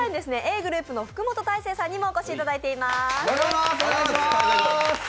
ｇｒｏｕｐの福本大晴さんにもお越しいただいています。